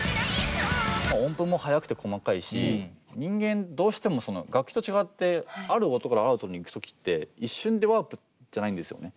音符も速くて細かいし人間どうしても楽器と違ってある音からある音に行く時って一瞬でワープじゃないんですよね。